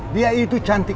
dia itu cantik